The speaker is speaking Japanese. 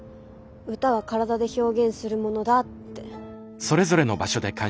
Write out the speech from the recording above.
歌は体で表現するものだって。